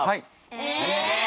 え！